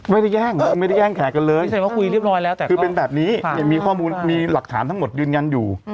ไม่ได้แย่งไม่ได้แย่งแขกันเลยคือเป็นแบบนี้มีข้อมูลมีหลักฐานทั้งหมดยืนยันอยู่